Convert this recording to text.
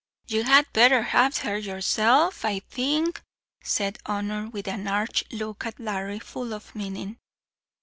"You had betther have her yourself, I think," said Honor, with an arch look at Larry, full of meaning.